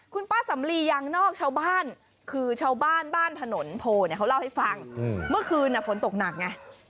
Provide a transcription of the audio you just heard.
คุณป้าสำลียางนอกชาวบ้านคือชาวบ้านบ้านถนนโพเนี่ยเขาเล่าให้ฟังเมื่อคืนฝนตกหนักไง